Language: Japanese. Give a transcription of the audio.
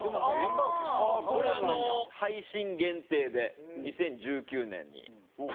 これあの配信限定で２０１９年に。